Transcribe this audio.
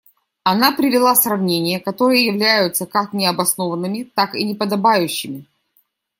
Она привела сравнения, которые являются как необоснованными, так и неподобающими.